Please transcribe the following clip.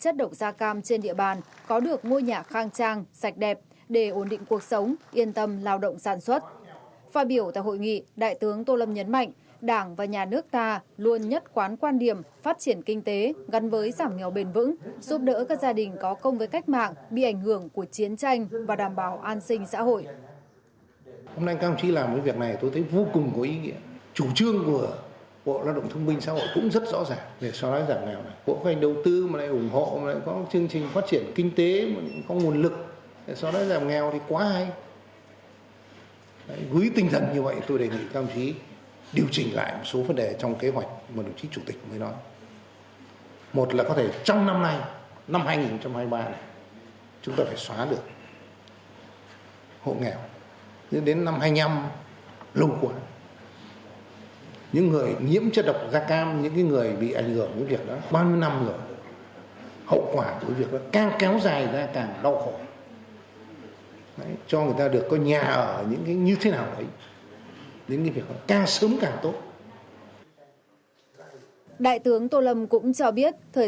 tướng tô lâm nhấn mạnh đảng và nhà nước ta luôn nhất quán quan điểm phát triển kinh tế gắn với giảm nghèo bền vững giúp đỡ các gia đình có công với cách mạng bị ảnh hưởng của chiến tranh và đảm bảo an sinh xã hội